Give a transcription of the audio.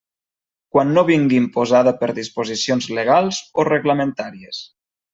Quan no vingui imposada per disposicions legals o reglamentàries.